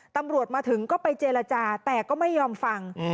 ตำรวจมาถึงก็ไปเจรจาแต่ก็ไม่ยอมฟัง